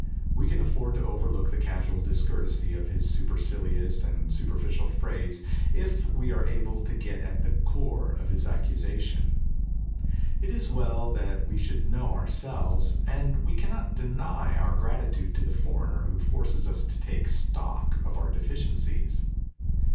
We can afford to overlook the casual discourtesy of his supercilious and superficial phrase if we are able to get at the core of his accusation. It is well that we should know ourselves; and we cannot deny our gratitude to the foreigner who forces us to take stock of our deficiencies.